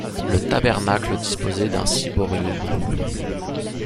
Le tabernacle disposait d’un ciborium.